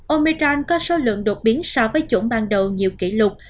omicron có số lượng đột biến so với chủng ban đầu nhiều kỷ lục